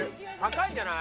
いいんじゃない？